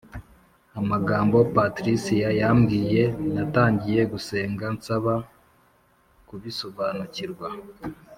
amagambo Patricia yambwiye Natangiye gusenga nsaba kubisobanukirwa